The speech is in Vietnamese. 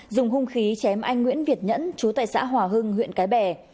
dùng hung khí chém anh nguyễn việt nhẫn chú tại xã hòa hưng huyện cái bè